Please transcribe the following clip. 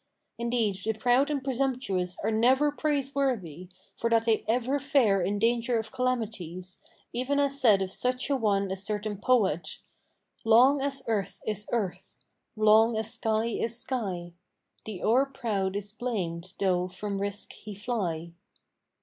Indeed, the proud and presumptuous are never praiseworthy, for that they ever fare in danger of calamities, even as saith of such an one a certain poet, 'Long as earth is earth, long as sky is sky, * The o'erproud is blamed tho' from risk he fly!'